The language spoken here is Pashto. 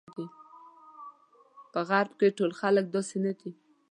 په غرب کې ټول خلک داسې نه دي.